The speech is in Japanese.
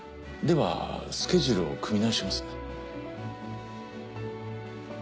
ではスケジュールを組み直します。